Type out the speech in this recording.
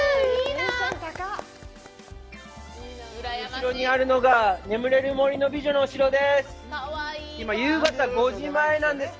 後ろにあるのが「眠れる森の美女」のお城です。